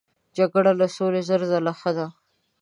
جګړه له سولې زر ځله ښه ده.